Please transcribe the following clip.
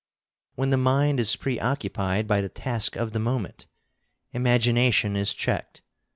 When the mind is preocupied by the task of the moment, imagination is checked.